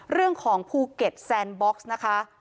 เรื่องของภูเก็ตแซนบ็อกซ์นะคะ